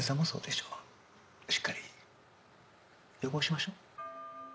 しっかり予防しましょう。